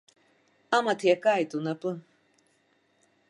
Амаҭ иакааит унапы!